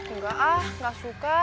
nggak ah nggak suka